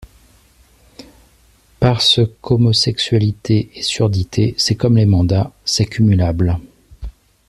Parce qu’homosexualité et surdité c’est comme les mandats: c’est cumulable.